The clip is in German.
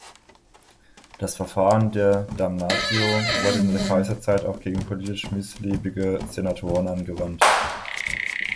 Das Verfahren der "damnatio" wurde in der Kaiserzeit auch gegen politisch missliebige Senatoren angewandt.